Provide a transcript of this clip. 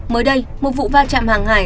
mới đây một vụ va chạm hàng hải